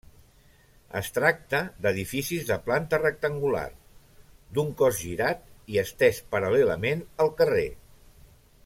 Es tracta d'edificis de planta rectangular, d'un cos girat i estès paral·lelament al carrer.